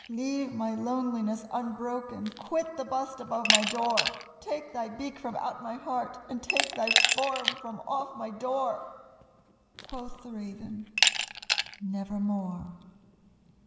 Leave my loneliness unbroken! quit the bust above my door! Take thy beak from out my heart, and take thy form from off my door!" Quoth the Raven, "Nevermore."